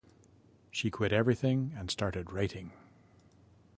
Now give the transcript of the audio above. She quit everything and started writing.